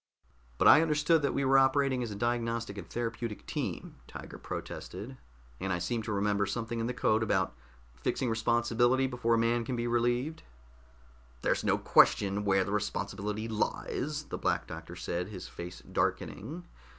"But I understood that we were operating as a diagnostic and therapeutic team," Tiger protested. "And I seem to remember something in the code about fixing responsibility before a man can be relieved." "There's no question where the responsibility lies," the Black Doctor said, his face darkening.